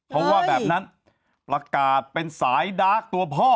เขาว่าแบบนั้นประกาศเป็นสายดาร์กตัวพ่อ